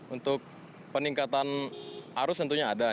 untuk peningkatan arus tentunya ada